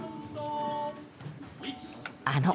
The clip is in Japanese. あの